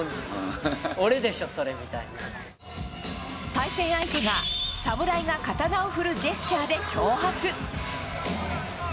対戦相手が侍が刀を振るジェスチャーで挑発。